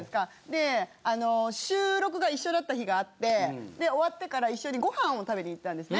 で収録が一緒だった日があって終わってから一緒にご飯を食べに行ったんですね。